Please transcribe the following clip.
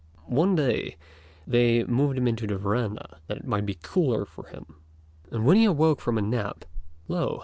One day they moved him into the verandah, that it might be cooler for him; and, when he awoke from a nap, lo!